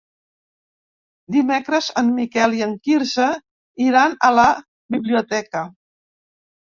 Dimecres en Miquel i en Quirze iran a la biblioteca.